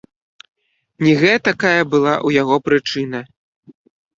Не гэтакая была ў яго прычына.